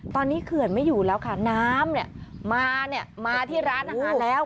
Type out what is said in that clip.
ตอนนี้เขื่อนไม่อยู่แล้วค่ะน้ำมาที่ร้านอาหารแล้ว